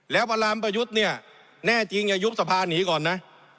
แล้วพระรามประยุทธ์เนี่ยแน่จริงอย่ายุบสภาหนีก่อนนะ